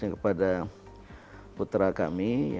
kepada putra kami